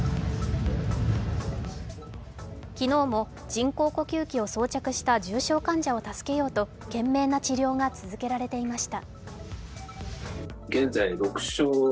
昨日も人工呼吸器を装着した重症患者を助けようと懸命な治療が続けられていました。